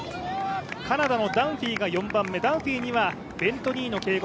カナダのダンフィーが４番目、ダンフィーにはベント・ニーの警告